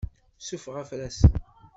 Sufeɣ afrasen.